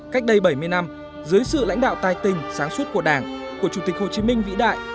cách đây bảy mươi năm dưới sự lãnh đạo tài tình sáng suốt của đảng của chủ tịch hồ chí minh vĩ đại